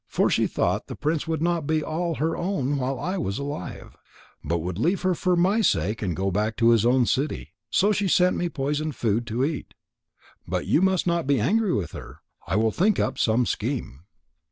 For she thought the prince would not be all her own while I was alive, but would leave her for my sake and go back to his own city. So she sent me poisoned food to eat. But you must not be angry with her. I will think up some scheme."